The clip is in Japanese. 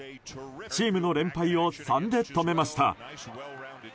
チームの連敗を３で止めました。